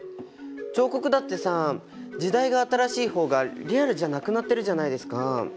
彫刻だってさ時代が新しい方がリアルじゃなくなってるじゃないですか。